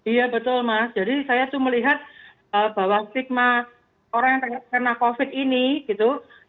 iya betul mas jadi saya tuh melihat bahwa stigma orang yang terkena covid ini gitu